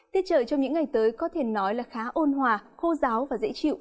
tiết trời trong những ngày tới có thể nói là khá ôn hòa khô giáo và dễ chịu